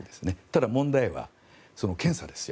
ただ問題は検査です。